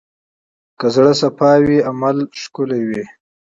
که زړه صفا وي، عمل ښکلی وي.